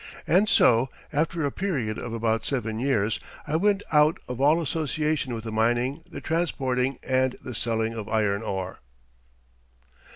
And so, after a period of about seven years, I went out of all association with the mining, the transporting, and the selling of iron ore.